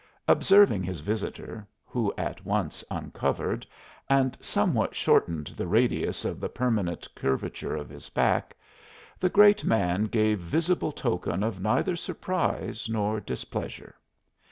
Observing his visitor, who at once uncovered, and somewhat shortened the radius of the permanent curvature of his back, the great man gave visible token of neither surprise nor displeasure.